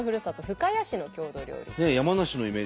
深谷市の郷土料理。